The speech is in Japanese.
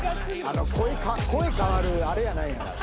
あの声変わるあれやないんやから。